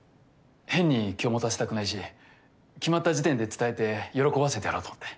変に気を持たせたくないし決まった時点で伝えて喜ばせてやろうと思って。